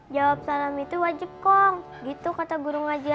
jawab salam itu wajib kong gitu kata guru ngajari ya